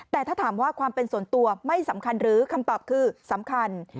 แต่ถ้าถามว่าความเป็นส่วนตัวไม่สำคัญหรือคำตอบคือสำคัญ